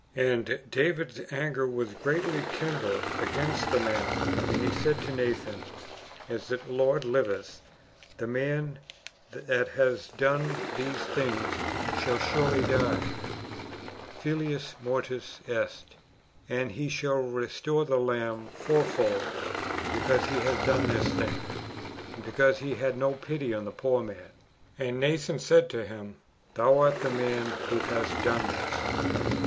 And David's anger was greatly kindled against the man ; and he said to Nathan, As the Lord liveth, the man that hath done this thing shall surely die {films mortis est) : and he shall restore the lamb fourfold, because he hath done this thing, and because he had no pity for the poor man. And Nathan said unto him. Thou art the man who hast done this."